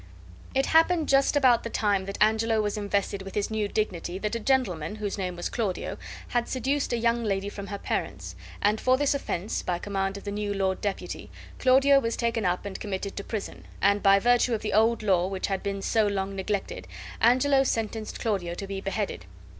It happened just about the time that Angelo was invested with his new dignity that a gentleman, whose name was Claudio, had seduced a young lady from her parents; and for this offense, by command of the new lord deputy, Claudio was taken up and committed to prison, and by virtue of the old law which had been so long neglected Angelo sentenced Claudio to be beheaded.